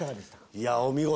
いやお見事。